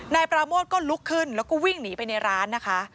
นายปราโมทก็ลุกขึ้นแล้วก็วิ่งหนีไปในร้านนะคะ